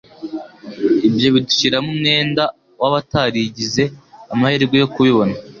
ibyo bidushyiramo umwenda w'abataragize amahirwe yo kubibona,